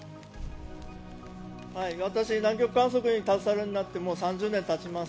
私南極観測に携わるようになってもう３０年たちます。